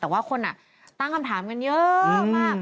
แต่ว่าคนตั้งคำถามกันเยอะมาก